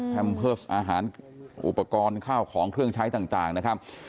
เพิร์สอาหารอุปกรณ์ข้าวของเครื่องใช้ต่างนะครับ